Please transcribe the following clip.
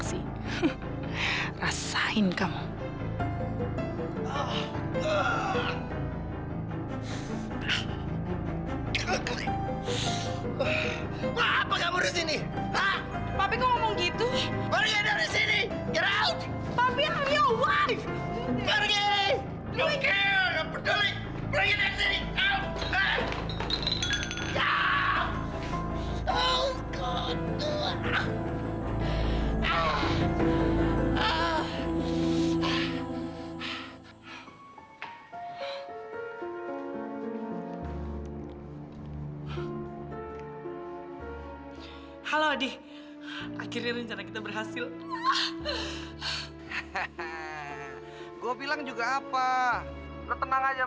sampai jumpa di video selanjutnya